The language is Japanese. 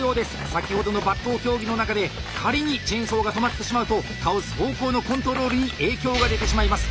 先ほどの伐倒競技の中で仮にチェーンソーが止まってしまうと倒す方向のコントロールに影響が出てしまいます。